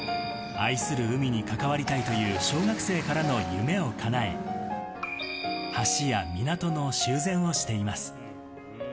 愛する海に関わりたいという小学生からの夢をかなえ、橋や港の修繕をしています。